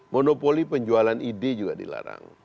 monopoli penjualan ide juga dilarang